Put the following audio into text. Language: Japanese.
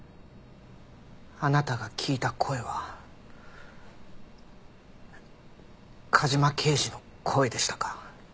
あなたが聞いた声は梶間刑事の声でしたか？